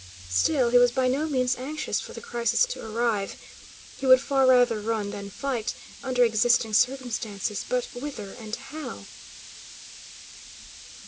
Still, he was by no means anxious for the crisis to arrive. He would far rather run than fight, under existing circumstances; but whither, and how?